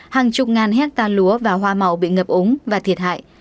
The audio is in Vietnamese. hàng chục ngàn hectare lúa và hoa màu bị ngập ống và thiệt hại